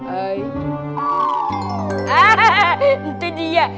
ahaha itu dia